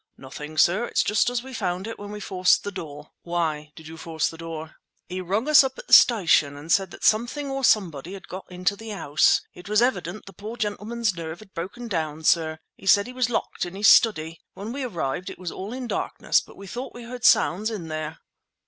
"Nothing, sir. It's just as we found it when we forced the door." "Why did you force the door?" "He rung us up at the station and said that something or somebody had got into the house. It was evident the poor gentleman's nerve had broken down, sir. He said he was locked in his study. When we arrived it was all in darkness—but we thought we heard sounds in here."